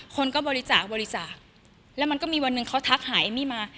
คนก็บริจาคบริจาคแล้วมันก็มีวันหนึ่งเขาทักหาเอมมี่มา